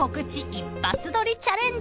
一発撮りチャレンジ］